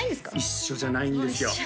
一緒じゃないんですよ